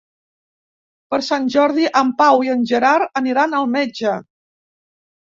Per Sant Jordi en Pau i en Gerard aniran al metge.